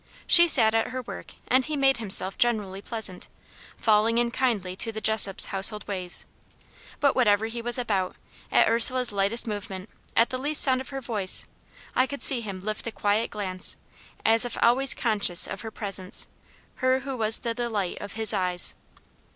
She sat at her work, and he made himself generally pleasant, falling in kindly to the Jessop's household ways. But whatever he was about, at Ursula's lightest movement, at the least sound of her voice, I could see him lift a quiet glance, as if always conscious of her presence; her who was the delight of his eyes.